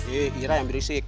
ih ira yang berisik